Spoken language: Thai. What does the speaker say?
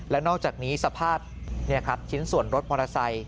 แล้วนอกจากนี้สภาพชิ้นส่วนรถมอเตอร์ไซค